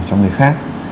cho người khác